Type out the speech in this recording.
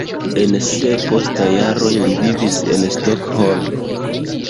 En siaj postaj jaroj li vivis en Stokholmo.